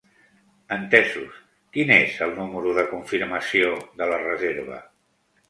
Entesos, quin és el número de confirmació de la reserva?